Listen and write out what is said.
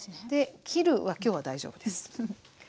で切るは今日は大丈夫です。